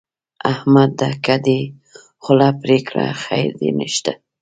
احمد ده که دې خوله پرې کړه؛ خير دې نه شته.